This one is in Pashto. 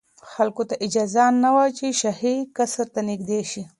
خلکو ته اجازه نه وه چې شاهي قصر ته نږدې شي.